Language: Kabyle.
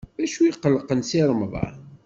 D acu i iqellqen Si Remḍan?